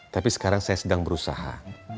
tapi sekarang saya sedang berusaha